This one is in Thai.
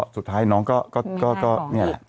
สุดท้ายน้องก็นี่แหละ